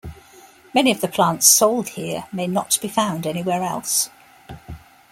Many of the plants sold here may not be found anywhere else.